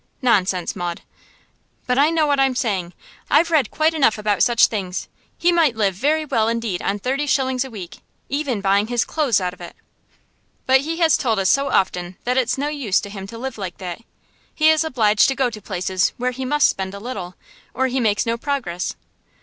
'Nonsense, Maud!' 'But I know what I'm saying. I've read quite enough about such things. He might live very well indeed on thirty shillings a week, even buying his clothes out of it.' 'But he has told us so often that it's no use to him to live like that. He is obliged to go to places where he must spend a little, or he makes no progress.